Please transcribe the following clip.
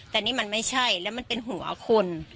แต่นี่มันไม่ใช่แล้วมันเป็นหัวคน